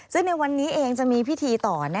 ซึ่งในวันนี้เองจะมีพิธีต่อ